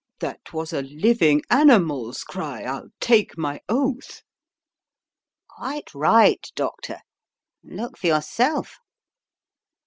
That was a living animal's cry, I'll take my oath." "Quite right, Doctor; look for yourself."